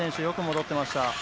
よく戻っていきました。